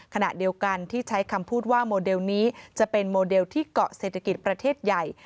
ขณะเดียวกันที่ใช้คำพูดว่าโมเดลนี้จะเป็นโมเดลที่เกาะเศรษฐกิจประเทศใหญ่